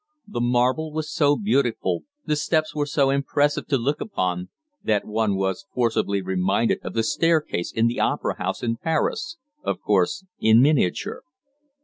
The marble was so beautiful, the steps were so impressive to look upon, that one was forcibly reminded of the staircase in the Opera House in Paris, of course in miniature.